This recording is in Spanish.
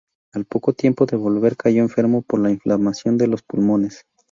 Al poco tiempo de volver cayó enfermo por inflamación de los pulmones.